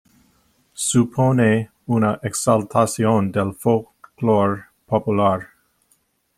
Supone una exaltación del folclore popular.